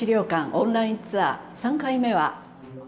オンラインツアー、３回目は。